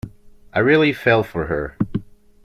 I really fell for her.